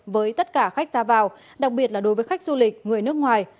với tất cả khách ra vào đặc biệt là đối với khách du lịch người nước ngoài